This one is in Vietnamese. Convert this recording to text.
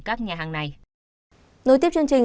các nhà hàng này nối tiếp chương trình